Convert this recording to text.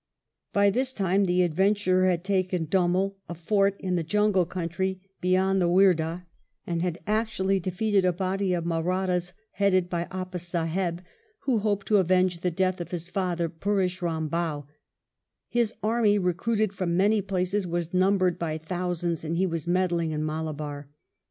By this time the adventurer had taken Dummel, a fort in the jungle country beyond the II ADVENT OF DHOONDIAH WAUGH 51 Werdah, and had actually defeated a body of Mahrattas headed by Appah Saheb, who hoped to avenge the death of his father, Pureshram Bhow; his army, recruited from many places, was numbered by thousands, and he was meddling in Malabar.